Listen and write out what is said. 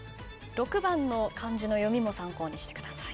６番の漢字の読みも参考にしてください。